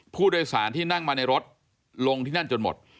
ผู้โดยสารที่นั่งมาในรถลงที่นั่นจนหมด